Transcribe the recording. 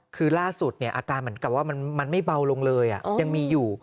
คือล่าสุดอาการเหมือนกับว่ามันไม่เบาลงเลยยังมีอยู่